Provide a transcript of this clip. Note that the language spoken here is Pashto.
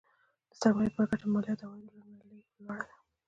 د سرمایې پر ګټه مالیه د عوایدو له مالیې لوړه ده.